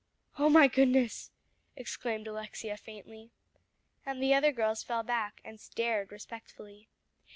"Oh my goodness!" exclaimed Alexia faintly. And the other girls fell back, and stared respectfully.